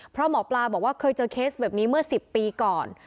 เพราะหมอปลาบอกว่าเคยเจอเคสแบบนี้เมื่อ๑๐ปีก่อน